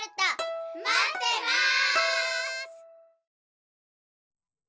まってます！